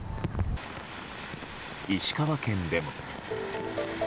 石川県でも。